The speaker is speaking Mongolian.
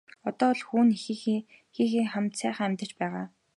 Одоо бол хүү нь эхийнхээ хамт сайхан амьдарч байгаа.